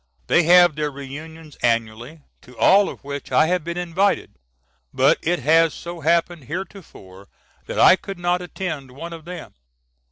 They have their reunions annually, to all of which I have been invited, but it has so happened heretofore that I could not attend one of them.